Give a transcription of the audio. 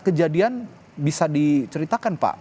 kejadian bisa diceritakan pak